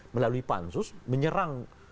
melalui pansus menyerang